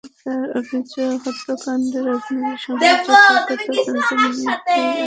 তাঁর অভিযোগ, হত্যাকাণ্ডে রাজনৈতিক সংশ্লিষ্টতা থাকায় তদন্ত নিয়ে ডিবির আগ্রহ নেই।